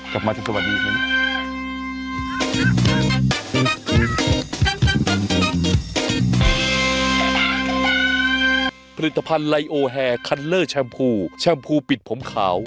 กลับมาที่สวัสดีอีกนิดนึง